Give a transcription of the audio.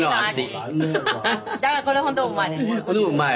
だからこれほんとうまい。